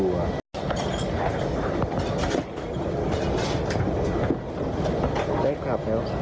โดยรายงานข่าวยืนยันว่าคุณเอสุประชัย